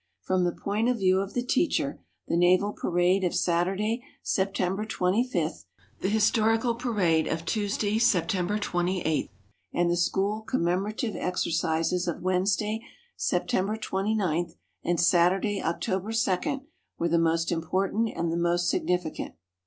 From the point of view of the teacher, the naval parade of Saturday, September 25th, the historical parade of Tuesday, September 28th, and the school commemorative exercises of Wednesday, September 29th, and Saturday, October 2d, were the most important and the most significant.